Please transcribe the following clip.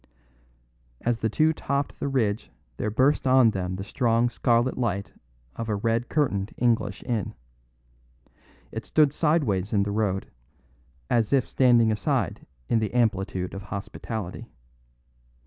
As the two topped the ridge there burst on them the strong scarlet light of a red curtained English inn. It stood sideways in the road, as if standing aside in the amplitude of hospitality.